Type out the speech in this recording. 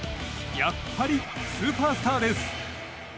やっぱりスーパースターです。